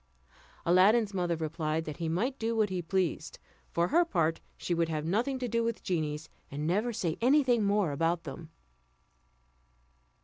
Aladdin's mother replied that he might do what he pleased; for her part, she would have nothing to do with genies, and never say anything more about them.